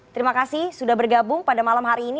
terima kasih sudah bergabung pada malam hari ini